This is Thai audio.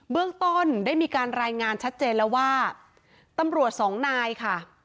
เรื่องต้นได้มีการรายงานชัดเจนแล้วว่าตำรวจสองนายค่ะ